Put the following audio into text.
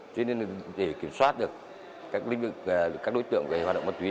cho nên để kiểm soát được các lĩnh vực các đối tượng hoạt động ma túy